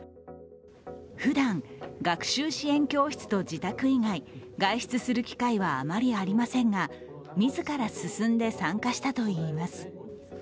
ふだん、学習支援教室と自宅以外外出する機会はあまりありませんが自ら進んで参加したといいます。